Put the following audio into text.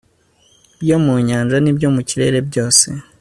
ibyo mu nyanja nibyo mu kirere byose